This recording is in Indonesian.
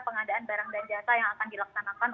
pengadaan barang dan jasa yang akan dilaksanakan